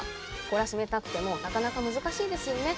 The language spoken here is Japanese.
懲らしめたくてもなかなか難しいですよね。